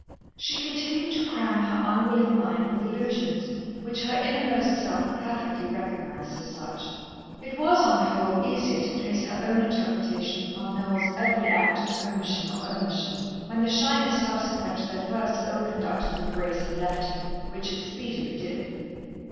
She continued to cram her unwilling mind with illusions which her innermost self perfectly recognized as such. It was, on the whole, easier to place her own interpretation upon Noel's every act of commission or omission when the shyness subsequent to their first ill conducted embrace had left him, which it speedily did.